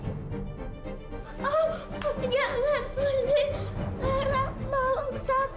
oh jangan pergi